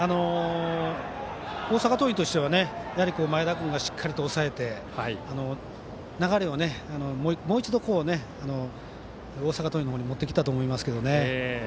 大阪桐蔭としては前田君がしっかりと抑えて流れをもう一度、大阪桐蔭の方に持ってきたと思いますけどね。